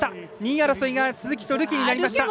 ２位争いが鈴木とルケになりました。